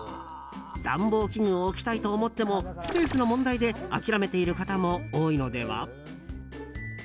暖房器具を置きたいと思ってもスペースの問題で諦めている方も多いのでは？